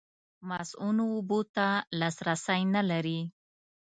مصؤنو اوبو ته لاسرسی نه لري.